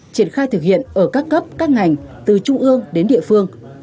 triển khai thực hiện ở các cấp các ngành từ trung ương đến địa phương